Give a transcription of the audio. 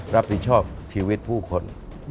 รับผิดชอบชีวิตผู้คน